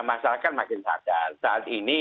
masyarakat makin sadar saat ini